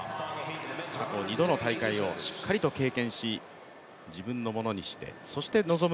過去２度の大会をしっかりと経験し、自分のものにしてそして臨む